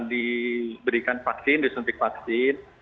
dan diberikan vaksin disuntik vaksin